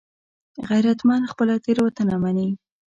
غیرتمند خپله تېروتنه مني